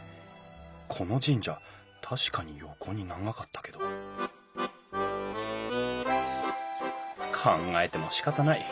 この神社確かに横に長かったけど考えてもしかたない。